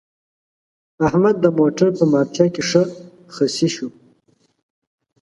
احمد د موټر په مارچه کې ښه خصي شو.